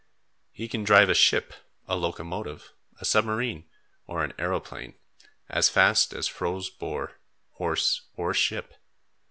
He can drive a ship, a locomotive, a submarine, or an aeroplane, as fast as Fro's boar, horse or ship.